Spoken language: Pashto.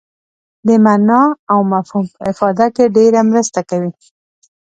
د معنا او مفهوم په افاده کې ډېره مرسته کوي.